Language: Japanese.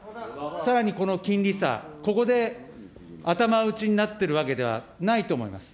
さらにこの金利差、ここで頭打ちになってるわけではないと思います。